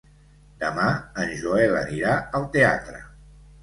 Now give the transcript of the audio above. Demà en Joel anirà al teatre.